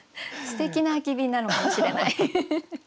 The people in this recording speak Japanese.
すてきな空き瓶なのかもしれない。